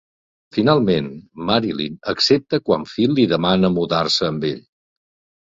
Finalment, Marilyn accepta quan Phil li demana mudar-se amb ell.